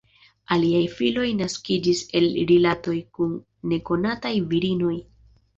Aliaj filoj naskiĝis el rilatoj kun nekonataj virinoj.